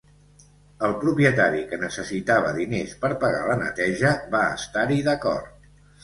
El propietari, que necessitava diners per pagar la neteja, va estar-hi d'acord.